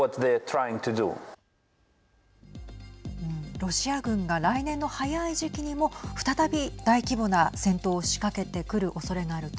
ロシア軍が来年の早い時期にも再び大規模な戦闘を仕掛けてくるおそれがあると。